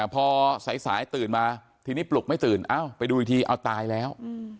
พอสายตื่นมาทีนี้ปลุกไม่ตื่นเอ้าไปดูอีกทีเอาตายแล้ว